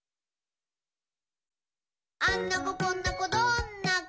「あんな子こんな子どんな子？